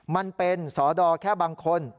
มันเป็นสอดอแค่บางคน